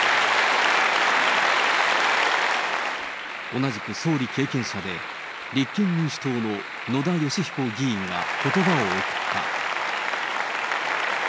同じく総理経験者で、立憲民主党の野田佳彦議員がことばを送った。